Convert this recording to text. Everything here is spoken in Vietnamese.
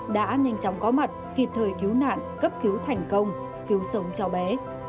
đã nhanh chóng có mặt kịp thời cứu nạn cấp cứu thành công cứu sống cháu bé